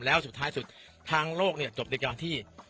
แล้วสุดท้ายสุดทางโลกเนี่ยจบในการที่